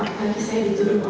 awak dikenali sendiri